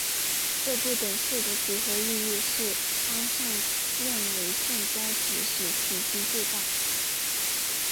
这不等式的几何意义是当向量为正交集时体积最大。